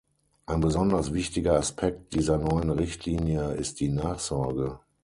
Ein besonders wichtiger Aspekt dieser neuen Richtlinie ist die Nachsorge.